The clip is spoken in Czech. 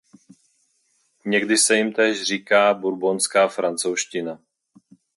Někdy se jim též říká bourbonská francouzština.